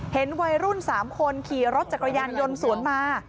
เห็นวัยรุ่น๓คนขี่รถจักรยานยนต์สวนมา